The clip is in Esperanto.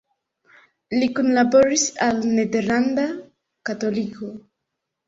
Li kunlaboris al "Nederlanda Katoliko".